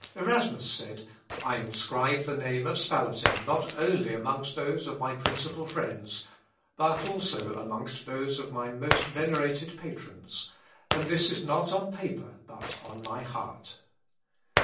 Erasmus said, "I inscribe the name of Spalatin not only among those of my principal friends, but also amongst those of my most venerated patrons; and this not on paper but on my heart."